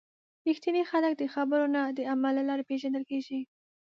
رښتیني خلک د خبرو نه، د عمل له لارې پیژندل کېږي.